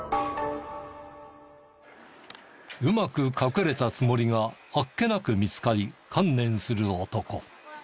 うまく隠れたつもりがあっけなく見つかり観念する男。